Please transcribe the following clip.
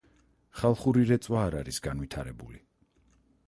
ხალხური რეწვა არ არის განვითარებული.